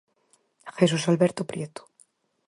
Jesús Alberto Prieto.